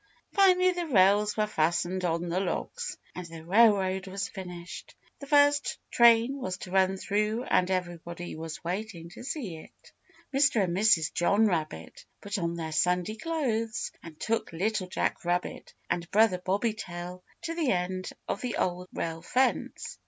Finally the rails were fastened on the logs and the railroad was finished; the first train was to run through and everybody was waiting to see it. Mr. and Mrs. John Rabbit put on their Sunday clothes and took Little Jack Rabbit and Brother Bobby Tail to the end of the Old Rail Fence.